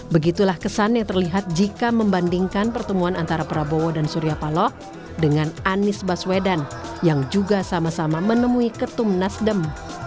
begitulah kesan yang terlihat jika membandingkan pertemuan antara prabowo dan surya paloh dengan anies baswedan yang juga sama sama menemui ketum nasdem